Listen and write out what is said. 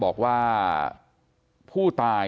ก็ไม่ได้มีธรรมดีใครอะไร